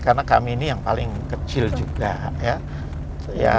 karena kami ini yang paling kecil juga ya